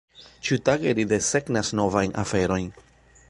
Ĉiutage, ri desegnas novajn aferojn.